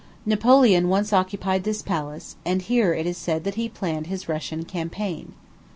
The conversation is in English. Napoleon once occupied this palace, and here it is said that he planned his Russian campaign.